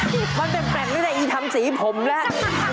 มันเป็นแปลกได้แต่อี๋ทำสีผมแหละ